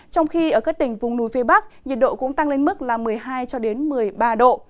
trong khi ở các tỉnh vùng núi phía bắc nhiệt độ cũng tăng lên mức là một mươi hai một mươi ba độ